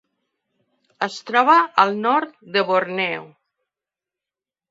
Es troba al nord de Borneo.